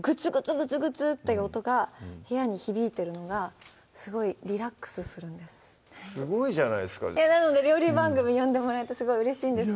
ぐつぐつっていう音が部屋に響いてるのがすごいリラックスするんですすごいじゃないですかなので料理番組呼んでもらえてすごいうれしいんです